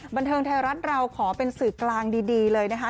บันเทิงไทยรัฐเราขอเป็นสื่อกลางดีเลยนะคะ